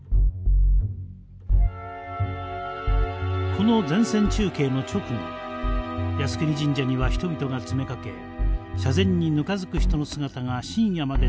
この前線中継の直後靖国神社には人々が詰めかけ社前にぬかずく人の姿が深夜まで続きました。